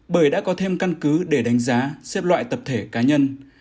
bởi đã có thêm căn cứ để đánh giá xếp loại tập thể cá nhân